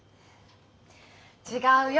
違うよ